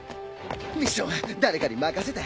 ミッションは誰かに任せた。